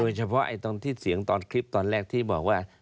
เฉพาะตอนที่เสียงตอนคลิปตอนแรกที่บอกว่า